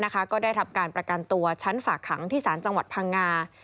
ก็ได้ทำการประกันตัวชั้นฝากขังที่ศาลจังหวัดพังงา